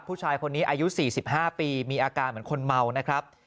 ผู้ชายคนนี้อายุ๔๕ปีมีอาการเหมือนคนเมานะครับ